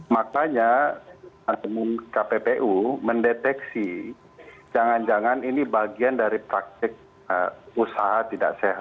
makanya kppu mendeteksi jangan jangan ini bagian dari praktik usaha tidak sehat